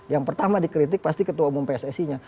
yang pertama dikritik pasti ketua umum pssi nya